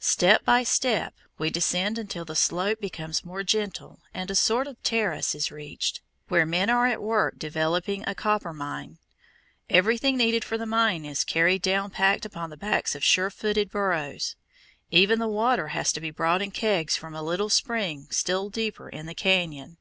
Step by step we descend until the slope becomes more gentle and a sort of terrace is reached, where men are at work developing a copper mine. Everything needed for the mine is carried down packed upon the backs of sure footed burros. Even the water has to be brought in kegs from a little spring still deeper in the cañon.